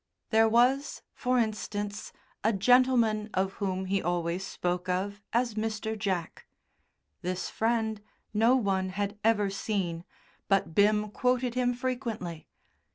There was, for instance, a gentleman of whom he always spoke of as Mr. Jack. This friend no one had ever seen, but Bim quoted him frequently.